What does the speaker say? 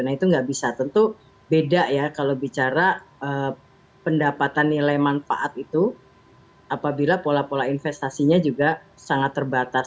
nah itu nggak bisa tentu beda ya kalau bicara pendapatan nilai manfaat itu apabila pola pola investasinya juga sangat terbatas